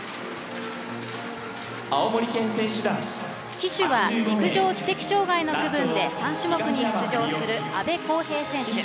旗手は陸上・知的障害の区分で３種目に出場する、阿部昂平選手。